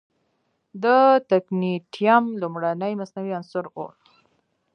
د تکنیټیم لومړنی مصنوعي عنصر و.